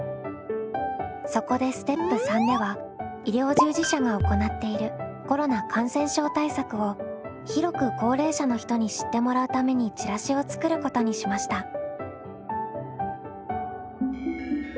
そこでステップ３では医療従事者が行っているコロナ感染症対策を広く高齢者の人に知ってもらうためにチラシを作ることにしました。